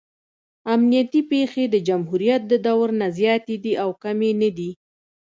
امنیتي پېښې د جمهوریت د دور نه زیاتې دي او کمې نه دي.